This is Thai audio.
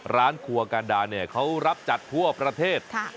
ร้านครัวการดาเนี่ยเขารับจัดทั่วประเทศ